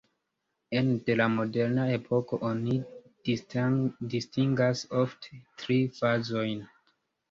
Ene de la moderna epoko oni distingas ofte tri fazojn.